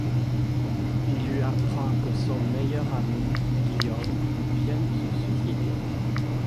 Il lui apprend que son meilleur ami, Guillaume, vient de se suicider.